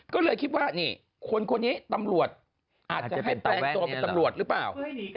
ก็เลยคิดว่านี่คนนี้ตำรวจอาจจะให้แปลงตัวเป็นตำรวจหรือเปล่า